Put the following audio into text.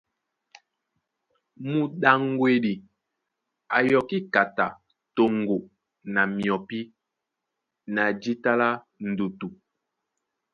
Mudaŋgwedi a yɔkí kata toŋgo na myɔpí na jíta lá ndutu.